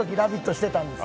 してたんですね。